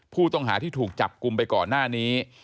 ผู้ต้องหาที่ถูกจับกลุ่มไปก่อนหน้านี้